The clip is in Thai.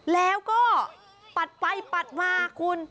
แล้วก็ปัดไปปัดมาคุณ